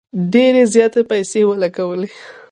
ډیري زیاتي پیسې ولګولې.